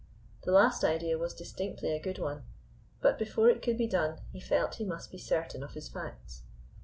The last idea was distinctly a good one. But, before it could be done, he felt he must be certain of his facts.